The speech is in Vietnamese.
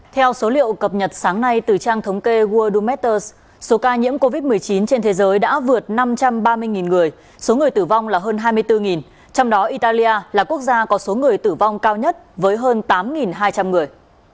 theo số liệu cập nhật sáng nay từ trang thống kê worldumeters số ca nhiễm covid một mươi chín trên thế giới đã vượt năm trăm ba mươi người số người tử vong là hơn hai mươi bốn trong đó italia là quốc gia có số người tử vong cao nhất với hơn tám hai trăm linh người